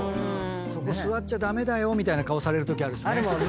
そこ座っちゃ駄目だよみたいな顔されるときあるしね。